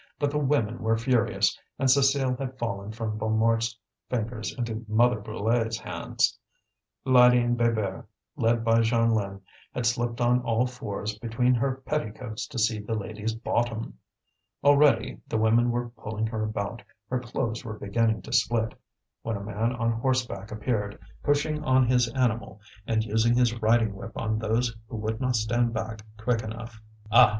But the women were furious, and Cécile had fallen from Bonnemort's fingers into Mother Brulé's hands. Lydie and Bébert, led by Jeanlin, had slipped on all fours between her petticoats to see the lady's bottom. Already the women were pulling her about; her clothes were beginning to split, when a man on horseback appeared, pushing on his animal, and using his riding whip on those who would not stand back quick enough. "Ah!